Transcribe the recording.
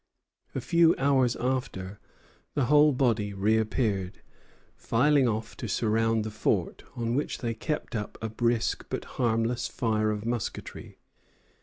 A few hours after, the whole body reappeared, filing off to surround the fort, on which they kept up a brisk but harmless fire of musketry.